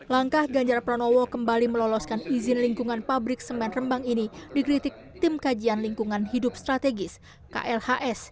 langkah ganjar pranowo kembali meloloskan izin lingkungan pabrik semen rembang ini dikritik tim kajian lingkungan hidup strategis klhs